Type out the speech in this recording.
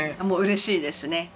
もう嬉しいですね。